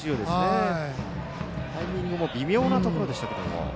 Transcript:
タイミングも微妙なところでしたけども。